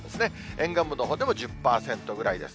沿岸部のほうでも１０％ぐらいです。